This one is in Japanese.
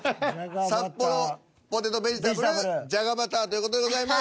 「サッポロポテトベジタブル」「じゃがバター」という事でございます。